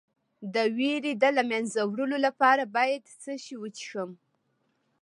د ویرې د له منځه وړلو لپاره باید څه شی وڅښم؟